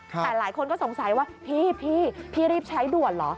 แต่หลายคนก็สงสัยว่าพี่พี่รีบใช้ด่วนเหรอ